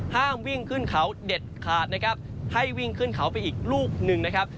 ห้ามวิ่งขึ้นเขาเด็ดขาดนะครับให้วิ่งขึ้นเขาไปอีกลูกหนึ่งนะครับ